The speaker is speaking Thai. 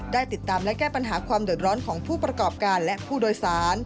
ได้ติดตามและแก้ปัญหาความเดือดร้อนของผู้ประกอบการและผู้โดยสาร